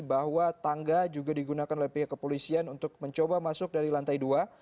bahwa tangga juga digunakan oleh pihak kepolisian untuk mencoba masuk dari lantai dua